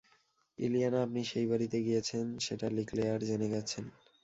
Ileana, আপনি সেই বাড়িতে গিয়েছেন সেটা লিক্লেয়ার জেনে গেছেন।